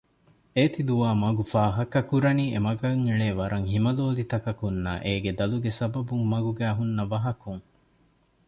އޭތި ދުވާމަގު ފާހަކަކުރަނީ އެމަގަށް އެޅޭ ވަރަށް ހިމަލޯލިތަކަކުންނާ އޭގެ ދަލުގެ ސަބަބުން މަގުގައި ހުންނަ ވަހަކުން